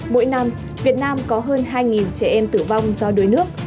mỗi năm việt nam có hơn hai trẻ em tử vong do đuối nước